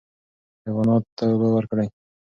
حیواناتو ته اوبه ورکړئ.